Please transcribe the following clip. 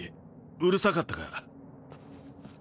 うるさかったか？